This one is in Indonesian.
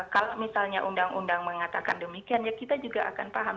kalau misalnya undang undang mengatakan demikian ya kita juga akan paham